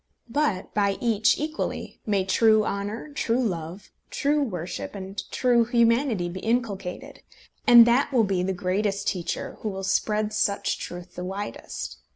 But by each, equally, may true honour, true love, true worship, and true humanity be inculcated; and that will be the greatest teacher who will spread such truth the widest.